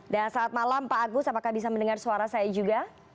dan saat malam pak agus apakah bisa mendengar suara saya juga